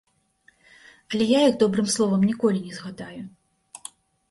Але я іх добрым словам ніколі не згадаю.